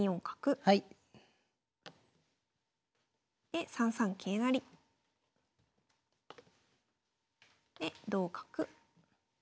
で３三桂成。で同角。